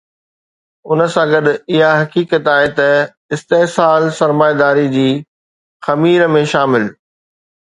ان سان گڏ اها حقيقت آهي ته استحصال سرمائيداري جي خمير ۾ شامل آهي.